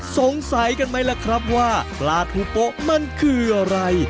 สงสัยกันไหมล่ะครับว่าปลาทูโป๊ะมันคืออะไร